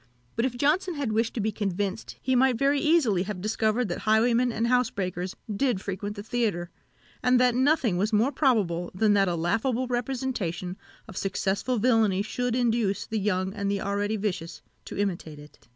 But if Johnson had wished to be convinced, he might very easily have discovered that highwaymen and housebreakers did frequent the theatre, and that nothing was more probable than that a laughable representation of successful villany should induce the young and the already vicious to imitate it.